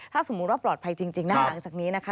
ถ้าสมมุติว่าปลอดภัยจริงนะหลังจากนี้นะคะ